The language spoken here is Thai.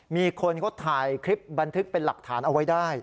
มีคนเขาถ่ายคลิปบันทึกเป็นหลักฐานเอาไว้ได้